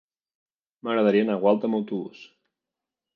M'agradaria anar a Gualta amb autobús.